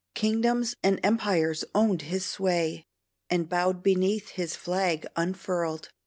Kingdoms and empires owned his sway And bowed beneath his flag unfurled.